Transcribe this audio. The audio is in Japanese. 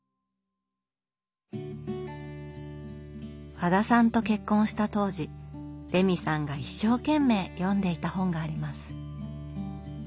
和田さんと結婚した当時レミさんが一生懸命読んでいた本があります。